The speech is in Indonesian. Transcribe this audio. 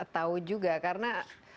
tahu juga karena